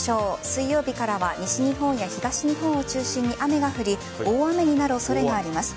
水曜日からは西日本や東日本を中心に雨が降り大雨になる恐れがあります。